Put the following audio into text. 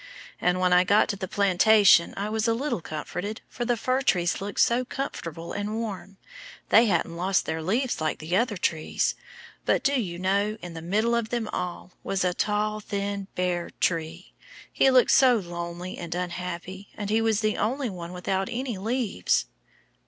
And when I got to the plantation I was a little comforted, for the fir trees looked so comfortable and warm they hadn't lost their leaves like the other trees but do you know, in the middle of them all was a tall, thin, bare tree he looked so lonely and unhappy, and he was the only one without any leaves."